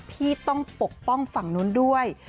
ที่ต้องปกป้องฝั่งนู้นด้วย